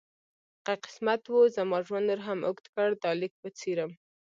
که قسمت زما ژوند نور هم اوږد کړ دا لیک به څېرم.